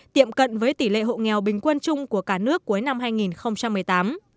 tiệm cận với tỷ lệ hộ nghèo bình quân chung của cả nước cuối năm hai nghìn một mươi tám